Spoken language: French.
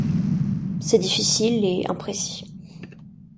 C’est difficile et imprécis.